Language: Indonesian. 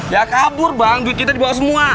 ya kabur bang duit kita dibawa semua